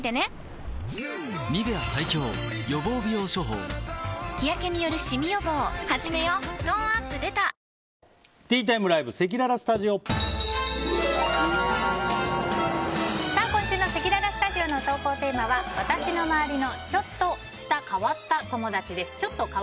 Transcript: トーンアップ出た今週のせきららスタジオの投稿テーマは私の周りのちょっと変わった友達です。